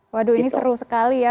waduh ini seru sekali ya